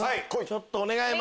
ちょっとお願い！